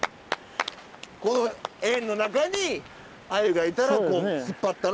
この円の中にアユがいたらこう引っ張ったら。